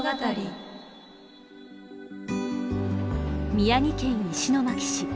宮城県石巻市。